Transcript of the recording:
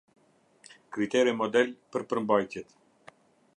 Kritere model për përmbajtjet.